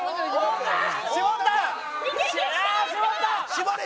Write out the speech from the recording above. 絞れ！